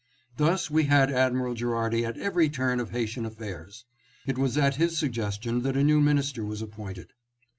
Thus we had Admiral Gherardi at every turn of Haitian affairs. It was at his suggestion that a new minister was appointed.